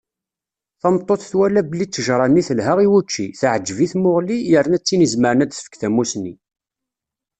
Tameṭṭut twala belli ṭṭejṛa-nni telha i wučči, teɛǧeb i tmuɣli, yerna d tin izemren ad d-tefk tamusni.